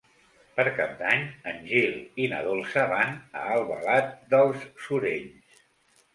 Per Cap d'Any en Gil i na Dolça van a Albalat dels Sorells.